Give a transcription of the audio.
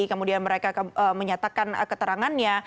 kemudian mereka menyatakan keterangannya